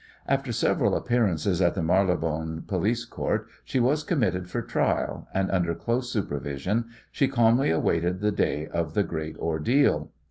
After several appearances at the Marylebone Police Court she was committed for trial, and, under close supervision, she calmly awaited the day of the great ordeal.